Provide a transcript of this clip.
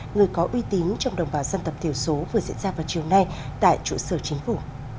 người có uy tín trong đồng bào dân tộc thiểu số vừa diễn ra vào chiều nay tại trụ sở chính phủ